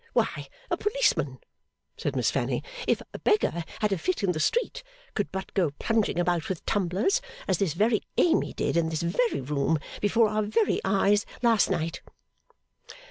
Why, a policeman,' said Miss Fanny, 'if a beggar had a fit in the street, could but go plunging about with tumblers, as this very Amy did in this very room before our very eyes last night!